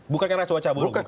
bukan karena cuaca buruk